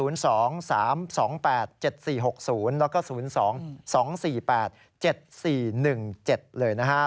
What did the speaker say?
แล้วก็๐๒๒๔๘๗๔๑๗เลยนะฮะ